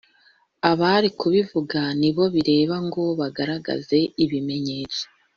Abari kubivuga nibo bireba ngo bagaragaze ibimenyetso